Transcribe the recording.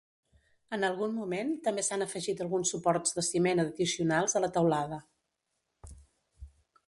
En algun moment també s'han afegit alguns suports de ciment addicionals a la teulada.